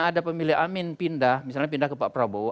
ada pemilih amin pindah misalnya pindah ke pak prabowo